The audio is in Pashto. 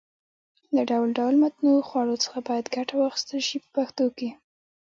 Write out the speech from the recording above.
له ډول ډول متنوعو خوړو څخه باید ګټه واخیستل شي په پښتو کې.